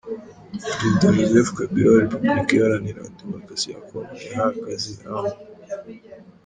Perezida Joseph Kabila wa Repubukika iharanira Demokarasi ya Congo yahaye akazi Amb.